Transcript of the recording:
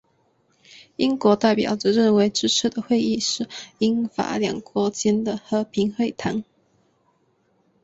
英国代表只认为这次的会议是英法两国间的和平会谈。